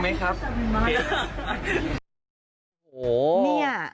พี่คิดเป็นเกย์จริงมั้ยครับ